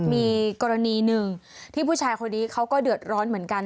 มีกรณีหนึ่งที่ผู้ชายคนนี้เขาก็เดือดร้อนเหมือนกัน